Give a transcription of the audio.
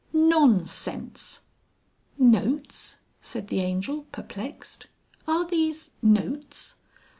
"Non sense!" "Notes!" said the Angel perplexed. "Are these notes?"